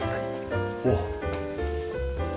おっ。